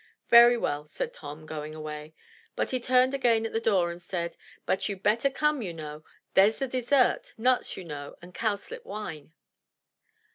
"Very well," said Tom, going away. But he turned again at the door and said, "But you'd better come, you know. There's the dessert, — nuts, you know, and cowslip wine."